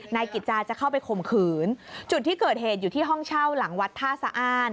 นายกิจจาจะเข้าไปข่มขืนจุดที่เกิดเหตุอยู่ที่ห้องเช่าหลังวัดท่าสะอ้าน